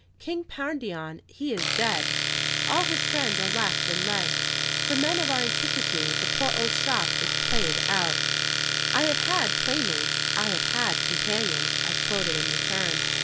"King Pandion he is dead; all his friends are lapped in lead. For men of our antiquity, the poor old shop is played out." "I have had playmates, I have had companions," I quoted in return.